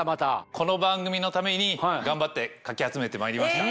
この番組のために頑張ってかき集めてまいりました。